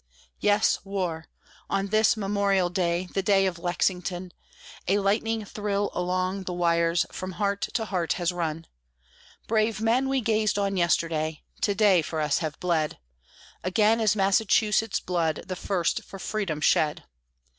Yes; war! on this memorial day, the day of Lexington, A lightning thrill along the wires from heart to heart has run. Brave men we gazed on yesterday, to day for us have bled: Again is Massachusetts blood the first for Freedom shed.